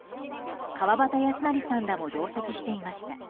川端康成さんらも同席していました。